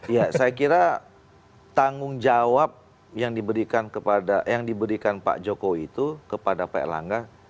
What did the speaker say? ya saya kira tanggung jawab yang diberikan pak jokowi itu kepada pak erlangga